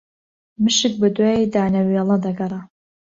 مشک بەدوای دانەوێڵە دەگەڕا